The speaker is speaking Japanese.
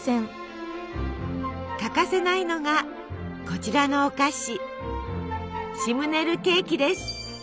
欠かせないのがこちらのお菓子シムネルケーキです。